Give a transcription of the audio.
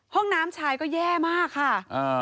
ห้องน้ำชายก็แย่มากค่ะ